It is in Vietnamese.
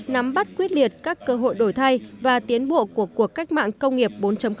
nắm bắt quyết liệt các cơ hội đổi thay và tiến bộ của cuộc cách mạng công nghiệp bốn